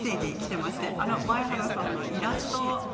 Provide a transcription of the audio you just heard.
前原さんのイラストも。